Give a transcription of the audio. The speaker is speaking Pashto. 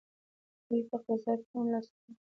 دوی په اقتصاد کې هم لاس لري.